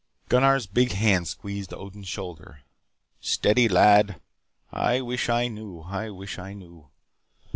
Gunnar's big hand squeezed Odin's shoulder. "Steady, lad. I wish I knew. I wish I knew.